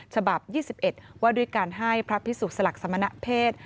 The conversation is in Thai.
ฉบับ๒๑ว่าด้วยการให้พระพิสุสลักสมณเพศ